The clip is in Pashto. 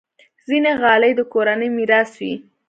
ځینې غالۍ د کورنۍ میراث وي.